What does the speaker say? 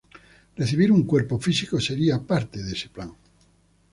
Recibir un cuerpo físico sería parte de este plan.